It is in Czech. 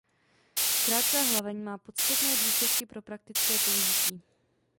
Krátká hlaveň má podstatné důsledky pro praktické použití.